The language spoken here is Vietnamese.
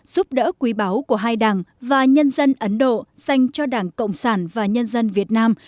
giúp đỡ quý báu của hai đảng và nhân dân ấn độ dành cho đảng cộng sản và nhân dân việt nam